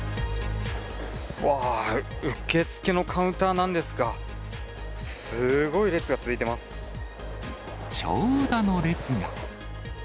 うわー、受付のカウンターなんですが、長蛇の列が。